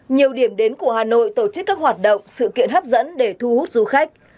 nhiều điểm đến của hà nội tổ chức các hoạt động sự kiện hấp dẫn để thu hút du khách